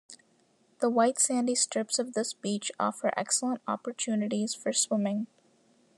The white sandy strips of this beach offer excellent opportunities for swimming.